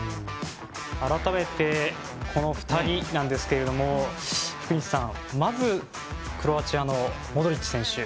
改めて、この２人ですが福西さん、まずクロアチアのモドリッチ選手